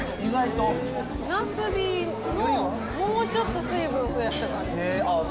ナスビのもうちょっと水分増やした感じ。